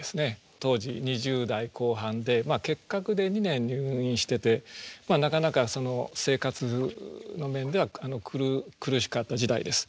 当時２０代後半で結核で２年入院しててなかなか生活の面では苦しかった時代です。